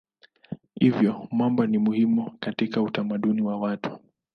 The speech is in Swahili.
Hivyo mwamba ni muhimu katika utamaduni wa watu.